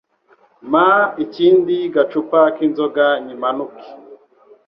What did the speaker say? Mpa ikindi gacupa kinzoga nyimanuke